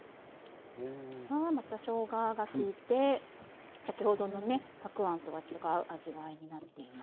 またしょうががきいて先ほどのねたくあんとは違う味わいになっています。